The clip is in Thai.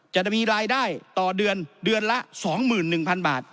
จะมีรายได้ต่อเดือนเดือนละ๒๑๐๐๐บาท